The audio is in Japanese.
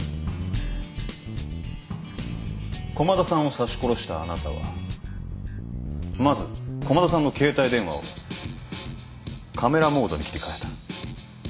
駒田さんを刺し殺したあなたはまず駒田さんの携帯電話をカメラモードに切り替えた。